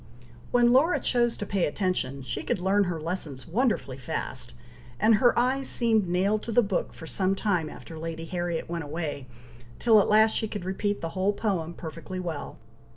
When Laura chose to pay attention, she could learn her lessons wonderfully fast, and her eyes seemed nailed to the book for some time after Lady Harriet went away, till at last she could repeat the whole poem perfectly well.